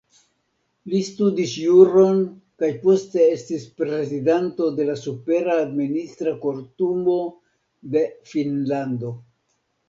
Li studis juron kaj poste estis prezidanto de la Supera Administra Kortumo de Finnlando.